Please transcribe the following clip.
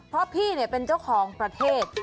เพราะพี่เป็นเจ้าของประเทศ